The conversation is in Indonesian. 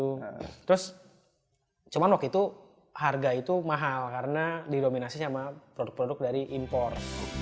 terus cuman waktu itu harga itu mahal karena didominasi sama produk produk dari impor